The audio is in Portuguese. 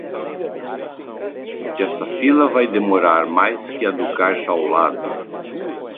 Provavelmente essa fila vai demorar mais que a do caixa ao lado.